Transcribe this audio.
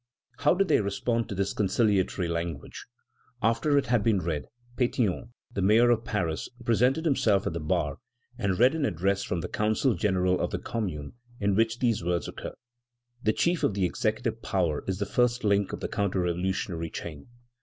How did they respond to this conciliatory language? After it had been read, Pétion, the mayor of Paris, presented himself at the bar, and read an address from the Council General of the Commune, in which these words occur: "The chief of the executive power is the first link of the counter revolutionary chain....